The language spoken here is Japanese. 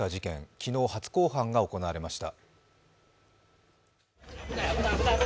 昨日、初公判が行われました。